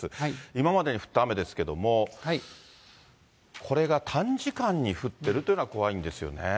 今までに降った雨ですけれども、これが短時間に降っているというのが怖いんですよね。